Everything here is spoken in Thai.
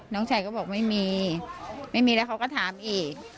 น้องชายก็บอกไม่มีไม่มีแล้วเขาก็ถามอีก